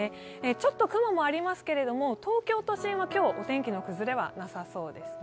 ちょっと雲もありますけれども、東京都心は今日はお天気の崩れはなさそうですね。